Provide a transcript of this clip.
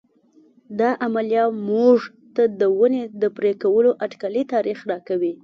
دا عملیه موږ ته د ونې د پرې کولو اټکلي تاریخ راکوي.